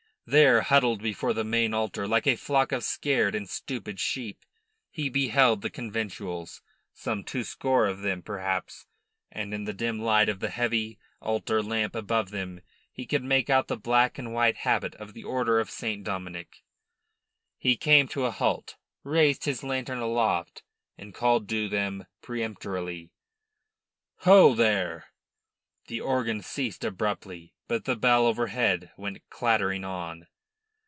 There, huddled before the main altar like a flock of scared and stupid sheep, he beheld the conventuals some two score of them perhaps and in the dim light of the heavy altar lamp above them he could make out the black and white habit of the order of St. Dominic. He came to a halt, raised his lantern aloft, and called to them peremptorily: "Ho, there!" The organ ceased abruptly, but the bell overhead went clattering on.